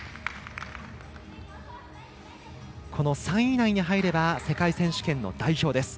３位以内に入れば世界選手権の代表です。